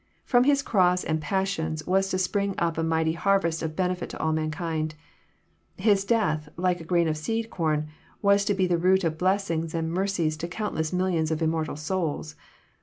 From His cross and passions was to spring up a mighty harvest of benefit to all mankind. His death, like a grain of seed corn, was to be the root of blessings and mercies to countless millions of immortal souls.